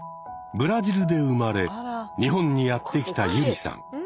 ブラジルで生まれ日本にやって来たユリさん。